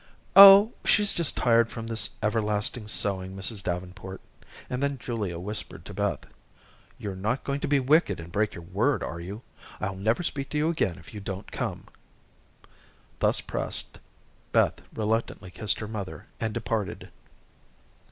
"Oh, she's just tired from this everlasting sewing, Mrs. Davenport;" and then Julia whispered to Beth, "You're not going to be wicked and break your word, are you? I'll never speak to you again if you don't come." Thus pressed, Beth reluctantly kissed her mother and departed.